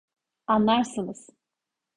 Anlarsınız.